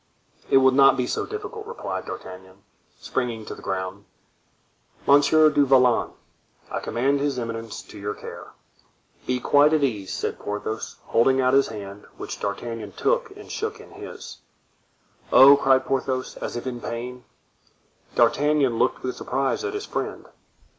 "It will not be so difficult," replied D'Artagnan, springing to the ground. "Monsieur du Vallon, I commend his eminence to your care." "Be quite at ease," said Porthos, holding out his hand, which D'Artagnan took and shook in his. "Oh!" cried Porthos, as if in pain. D'Artagnan looked with surprise at his friend.